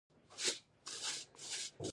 د ځیګر د پړسوب لپاره د څه شي عرق وڅښم؟